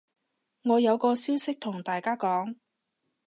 我有個消息同大家講